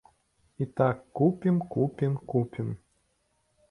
І так купім, купім, купім.